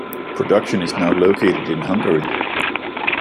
Production is now located in Hungary.